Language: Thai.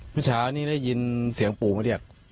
เมื่อเช้านี้ได้ยินเสียงปู่มาเรียก